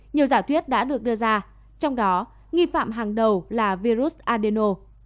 nhiều giả thuyết đã được đưa ra trong đó nghi phạm hàng đầu là virus adeno